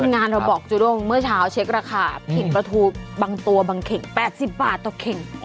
งานเราบอกจูด้งเมื่อเช้าเช็คราคาเข่งปลาทูบางตัวบางเข่ง๘๐บาทต่อเข่ง